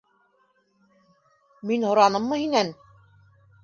- Мин һораныммы һинән?